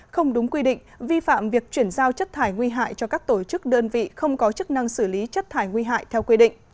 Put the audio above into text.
không đúng quy định vi phạm việc chuyển giao chất thải nguy hại cho các tổ chức đơn vị không có chức năng xử lý chất thải nguy hại theo quy định